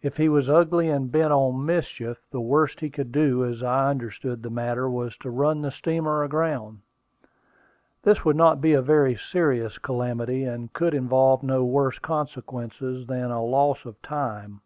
If he was ugly and bent on mischief, the worst he could do, as I understood the matter, was to run the steamer aground. This would not be a very serious calamity, and could involve no worse consequences than a loss of time.